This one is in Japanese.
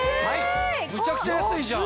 むちゃくちゃ安いじゃん。